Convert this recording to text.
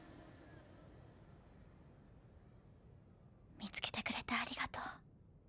見つけてくれてありがとう。